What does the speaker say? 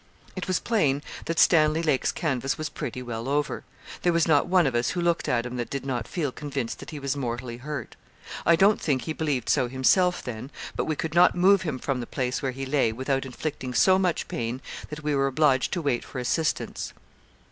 It was plain that Stanley Lake's canvass was pretty well over. There was not one of us who looked at him that did not feel convinced that he was mortally hurt. I don't think he believed so himself then; but we could not move him from the place where he lay without inflicting so much pain, that we were obliged to wait for assistance.